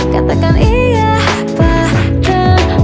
katakan iya padamu